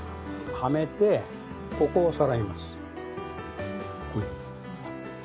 はめてここをさらいます。